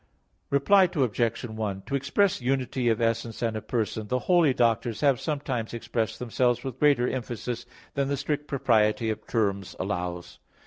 _ Reply Obj. 1: To express unity of essence and of person, the holy Doctors have sometimes expressed themselves with greater emphasis than the strict propriety of terms allows.